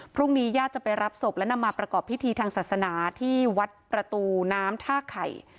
ญาติจะไปรับศพและนำมาประกอบพิธีทางศาสนาที่วัดประตูน้ำท่าไข่